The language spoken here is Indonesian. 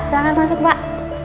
silahkan masuk pak